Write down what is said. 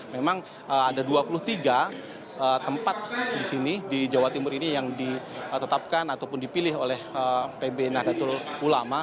memang ada dua puluh tiga tempat di sini di jawa timur ini yang ditetapkan ataupun dipilih oleh pb nahdlatul ulama